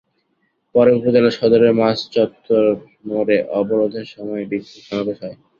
পরে উপজেলা সদরের মাছ চত্বর মোড়ে অবরোধের সময় বিক্ষোভ সমাবেশ হয়।